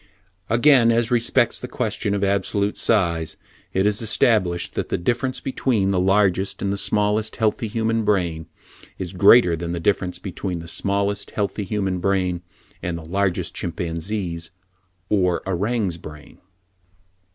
Again, as respects the question of absolute size, it is established that the difference between the largest and the smallest healthy human brain is greater than the difference between the smallest healthy human brain and the largest chimpanzee's or orang's brain.